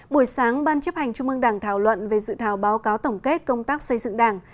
buổi sáng ban chấp hành trung mương đảng thảo luận về dự thảo báo cáo tổng kết công tác xây dựng đảng